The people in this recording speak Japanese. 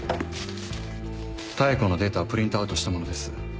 妙子のデータをプリントアウトしたものです。